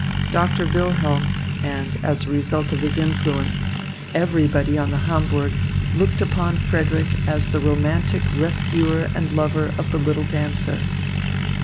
Doctor Wilhelm and, as a result of his influence, everybody on the Hamburg looked upon Frederick as the romantic rescuer and lover of the little dancer.